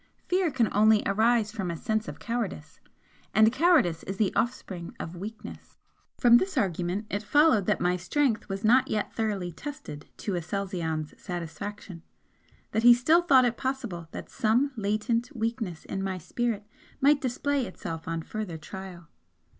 Fear can only arise from a sense of cowardice, and cowardice is the offspring of weakness. From this argument it followed that my strength was not yet thoroughly tested to Aselzion's satisfaction, that he still thought it possible that some latent weakness in my spirit might display itself on further trial.